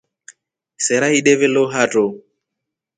Sera ideve lo hatro.